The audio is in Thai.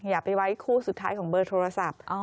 อย่าไปไว้คู่สุดท้ายของเบอร์โทรศัพท์